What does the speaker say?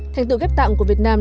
thành tựu ghép tạng của việt nam